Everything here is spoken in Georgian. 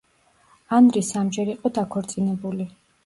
ანრი სამჯერ იყო დაქორწინებული.